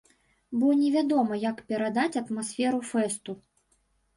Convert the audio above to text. Бо невядома, як перадаць атмасферу фэсту.